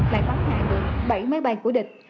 lại bắn lại được bảy máy bay của địch